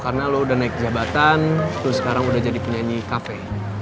karena lu udah naik jabatan lu sekarang udah jadi penyanyi kafe